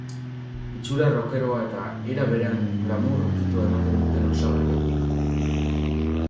Itxura rockeroa eta era berean glamour ukitua ematen duten osagarriak dira.